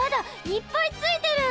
いっぱいついてる！